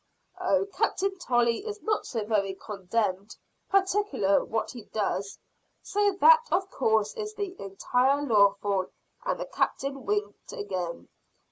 "Oh, Captain Tolley is not so very condemned particular what he does so that of course it is entirely lawful," and the captain winked again.